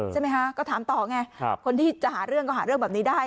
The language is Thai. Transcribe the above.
ใช่ไหมคะก็ถามต่อไงคนที่จะหาเรื่องก็หาเรื่องแบบนี้ได้